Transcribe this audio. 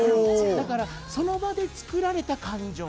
その場で作られた感情。